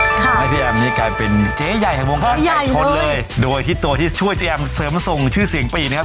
ทำให้พี่แอมนี่กลายเป็นเจ๊ใหญ่ของวงการไก่ชนเลยโดยที่ตัวที่ช่วยเจ๊แอมเสริมส่งชื่อเสียงปีกนะครับ